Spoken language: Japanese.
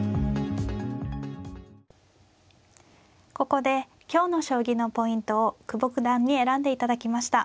ここで今日の将棋のポイントを久保九段に選んでいただきました。